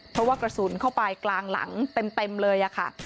เพราะว่ากระสุนเข้าไปกลางหลังเต็มเลยค่ะ